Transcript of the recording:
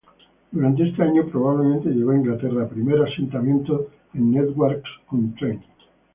Durante este año, probablemente llegó a Inglaterra, primer asentamiento en Newark-on-Trent.